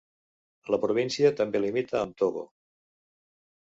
La província també limita amb Togo.